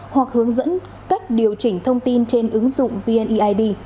hoặc hướng dẫn cách điều chỉnh thông tin trên ứng dụng vneid